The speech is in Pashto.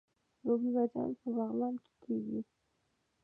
رومي بانجان په بغلان کې کیږي